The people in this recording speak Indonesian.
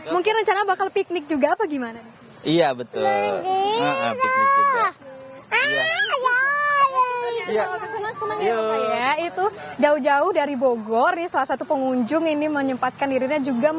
mungkin rencana bakal piknik juga apa gimana nih